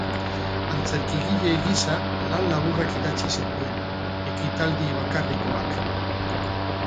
Antzerkigile gisa lan laburrak idatzi zituen, ekitaldi bakarrekoak.